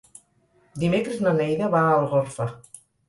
Dimecres na Neida va a Algorfa.